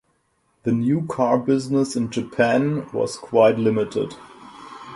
The new car business in Japan was quite limited.